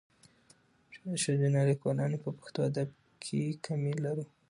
ښځینه لیکوالاني په پښتو ادب کښي کمي لرو.